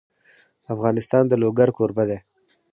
افغانستان د لوگر کوربه دی.